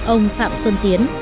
ông phạm xuân tiến